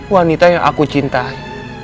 wanita yang aku cintai